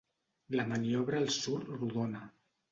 La maniobra els surt rodona.